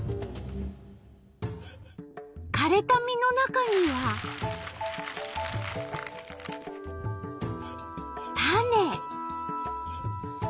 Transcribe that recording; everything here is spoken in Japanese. かれた実の中には種。